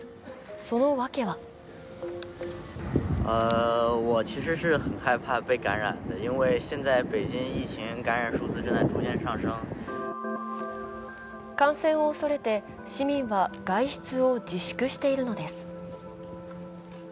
そのわけは感染を恐れて市民は外出を自粛しているのです。